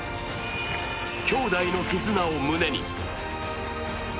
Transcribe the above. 兄弟の絆を胸に。